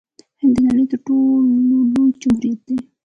هند د نړۍ تر ټولو لوی جمهوریت دی.